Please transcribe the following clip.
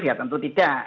ya tentu tidak